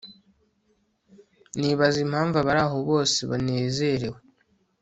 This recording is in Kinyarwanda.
nibaza impamvu abari aho bose banezerewe